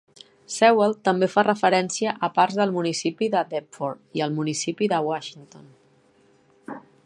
Sewell també fa referència a parts del municipi de Deptford i al municipi de Washington.